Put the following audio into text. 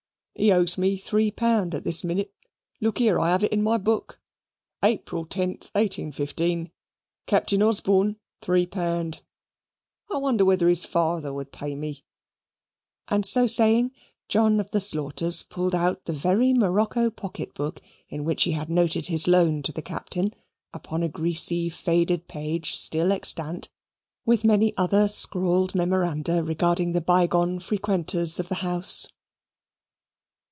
He owes me three pound at this minute. Look here, I have it in my book. 'April 10, 1815, Captain Osborne: 3 pounds.' I wonder whether his father would pay me," and so saying, John of the Slaughters' pulled out the very morocco pocket book in which he had noted his loan to the Captain, upon a greasy faded page still extant, with many other scrawled memoranda regarding the bygone frequenters of the house.